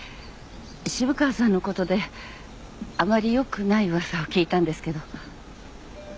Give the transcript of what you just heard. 渋川さんのことであまり良くない噂を聞いたんですけど。